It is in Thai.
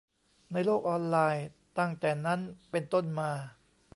ในโลกออนไลน์ตั้งแต่นั้นเป็นต้นมา